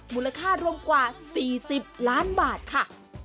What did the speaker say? มูลค่ารวมกว่า๔๐ล้านบาทค่ะ